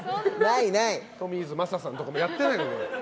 トミーズ雅さんとかもやってないから。